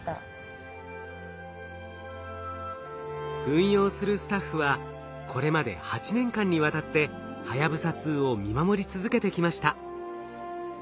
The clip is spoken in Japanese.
運用するスタッフはこれまで８年間にわたってはやぶさ２を見守り続けてきました。